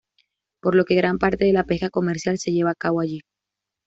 Por lo que gran parte de la pesca comercial se lleva a cabo allí.